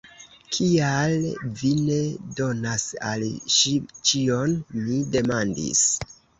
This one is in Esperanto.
Kial vi ne donas al ŝi ĉion? mi demandis.